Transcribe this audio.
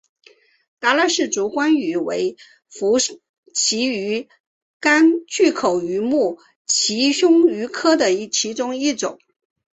达纳氏烛光鱼为辐鳍鱼纲巨口鱼目褶胸鱼科的其中一种。